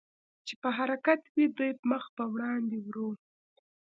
چې په حرکت وې، دوی مخ په وړاندې ورو.